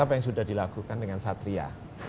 apa yang sudah dilakukan dengan satria